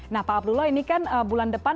nah pak abdullah ini kan bulan depan